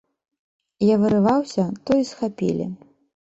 Я вырываўся, то і схапілі.